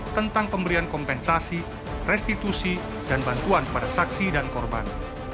tentang pemberian kompensasi restitusi dan bantuan pada saksi dan korban